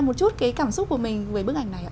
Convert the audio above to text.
một chút cái cảm xúc của mình với bức ảnh này ạ